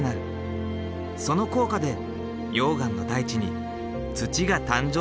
その効果で溶岩の大地に土が誕生したと考えられるんだ。